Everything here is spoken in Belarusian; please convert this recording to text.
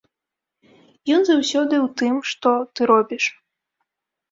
Ён заўсёды ў тым, што ты робіш!